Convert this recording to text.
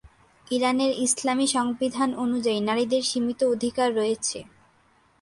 ইরানের ইসলামী সংবিধান অনুযায়ী নারীদের সীমিত অধিকার রয়েছে।